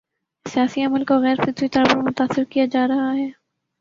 سیاسی عمل کو غیر فطری طور پر متاثر کیا جا رہا ہے۔